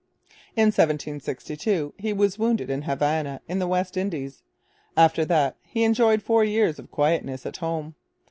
In 1762 he was wounded at Havana in the West Indies. After that he enjoyed four years of quietness at home.